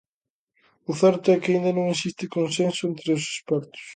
O certo é que aínda non existe consenso entre os expertos.